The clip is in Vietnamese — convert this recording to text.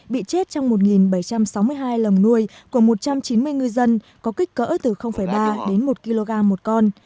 bị chết trong một bảy trăm sáu mươi hai lồng nuôi của một trăm chín mươi ngư dân có kích cỡ từ ba đến một kg một con